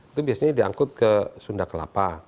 itu biasanya diangkut ke sunda kelapa